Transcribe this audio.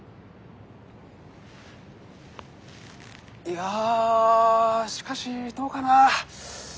いやしかしどうかな。